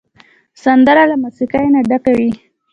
سندره له موسیقۍ نه ډکه وي